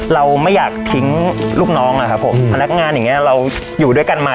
เราไม่อยากทิ้งลูกน้องอะครับผมอือแล้วยังไงเราอยู่ด้วยกันมา